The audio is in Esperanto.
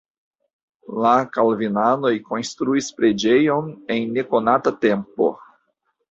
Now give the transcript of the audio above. La kalvinanoj konstruis preĝejon en nekonata tempo.